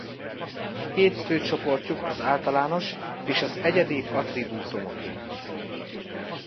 Két fő csoportjuk az általános és az egyedi attribútumoké.